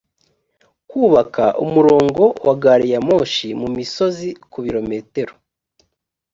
kubaka umurongo wa gari ya moshi mu misozi ku birometero